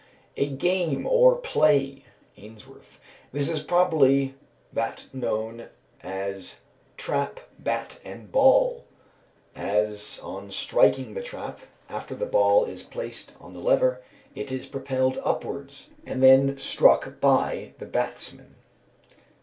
_ A game or play (AINSWORTH). This is probably that known as "trap, bat, and ball," as on striking the trap, after the ball is placed on the lever, it is propelled upwards, and then struck by the batsman.